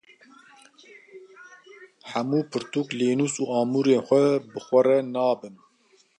Hemû pirtûk, lênûs û amûrên xwe bi xwe re nabim.